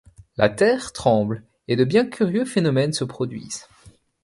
La Terre tremble et de bien curieux phénomènes se produisent.